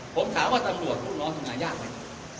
ผมถามว่าการย่างไหม